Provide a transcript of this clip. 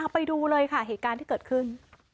ไปดูเลยค่ะเหตุการณ์ที่เกิดขึ้น